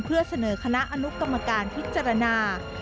เพื่อเสนอคณะอนุกรรมการพิจารณา